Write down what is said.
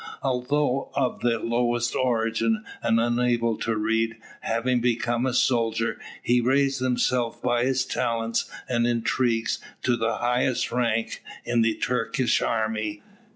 Although of the lowest origin and unable to read, having become a soldier, he raised himself by his talents and intrigues to the highest rank in the Turkish army.